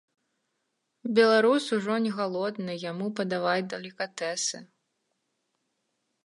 Беларус ужо не галодны, яму падавай далікатэсы!